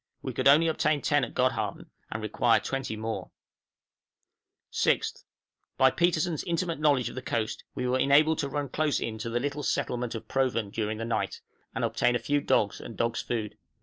We could only obtain ten at Godhaven, and require twenty more. {PURCHASING ESQUIMAUX DOGS.} 6th. By Petersen's intimate knowledge of the coast we were enabled to run close in to the little settlement of Proven during the night, and obtain a few dogs and dogs' food.